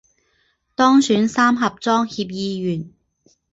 当选三峡庄协议员